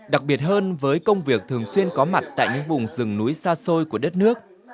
đặc biệt hơn với công việc thường xuyên có mặt tại những vùng rừng núi xa xôi của đất nước